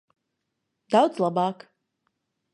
Daudz labāk.